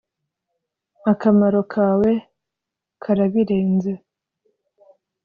Akamaro kawe karabirenze